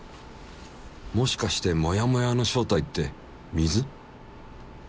もしかしてもやもやの正体って水？